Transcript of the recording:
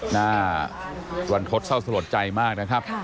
นายบรรคตเศร้าสะหรับใจมากนะครับ